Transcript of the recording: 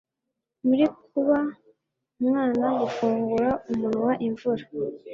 muri kuba umwana, gufungura umunwa imvura